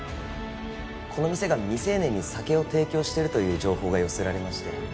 この店が未成年に酒を提供しているという情報が寄せられまして。